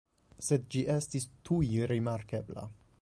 Sed ĝi estis tuj rimarkebla.